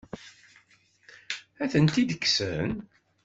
Ad tent-id-kksen?